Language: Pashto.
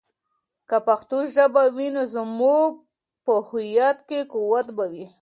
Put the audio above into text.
که پښتو ژبه وي، نو زموږ په هویت کې قوت به وي.